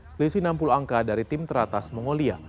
selisih enam puluh angka dari tim teratas mongolia